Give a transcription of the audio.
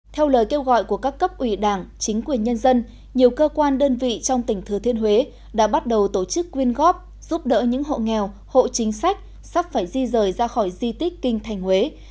theo lời kêu gọi của các cấp ủy đảng chính quyền nhân dân nhiều cơ quan đơn vị trong tỉnh thừa thiên huế đã bắt đầu tổ chức quyên góp giúp đỡ những hộ nghèo hộ chính sách sắp phải di rời ra khỏi di tích kinh thành huế